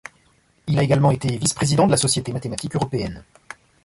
Il a également été vice-président de la Société mathématique européenne.